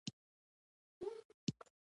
او سوله يو مصنوعي بهير ګڼل کېدی